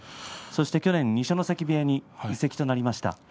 去年、二所ノ関部屋に移籍となりました。